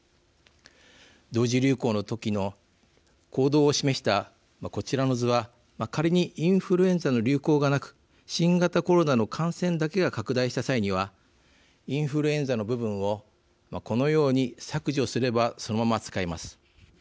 同時流行の時の行動を示したこちらの図は仮にインフルエンザの流行がなく新型コロナの感染だけが拡大した際にはインフルエンザの部分をこのように削除すればそのまま使えます。